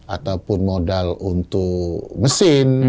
ataupun modal untuk mesin